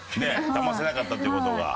だませなかったっていう事が。